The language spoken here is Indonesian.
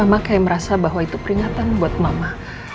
mama kayak merasa bahwa itu peringatan buat mama